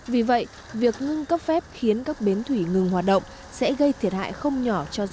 vì vậy việc ngưng cấp phép khiến các bến thủy ngừng hoạt động sẽ gây thiệt hại không nhỏ